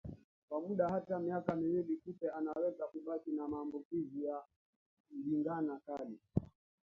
Kwa muda hata miaka miwili kupe anaweza kubaki na maambukizi ya ndigana kali